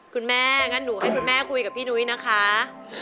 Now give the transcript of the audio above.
คุณแม่งั้นหนูให้คุณแม่คุยกับพี่นุ้ยนะคะ